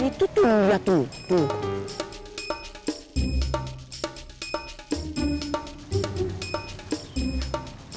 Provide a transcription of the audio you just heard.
itu tuh lihat tuh